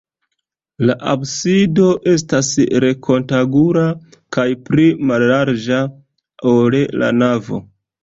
La absido estas rektangula kaj pli mallarĝa, ol la navo.